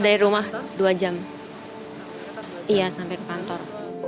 dari rumah dua jam iya sampai ke kantor